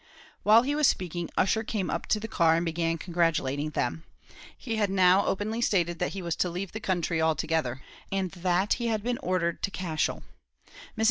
While he was speaking, Ussher came up to the car, and began congratulating them. He had now openly stated that he was to leave the country altogether, and that he had been ordered to Cashel. Mrs.